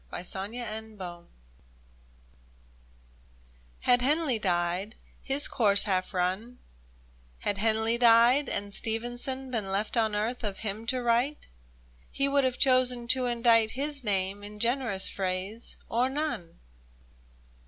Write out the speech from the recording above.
35 THE DIFFERENCE T Tad Henley died, his course half run Had Henley died, and Stevenson Been left on earth, of him to write, He would have chosen to indite His name in generous phrase — or none.